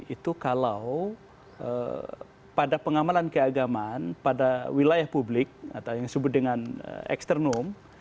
itu kalau pada pengamalan keagamaan pada wilayah publik atau yang disebut dengan eksternum